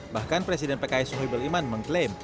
bahkan presiden pks suhoib maximan mengklaim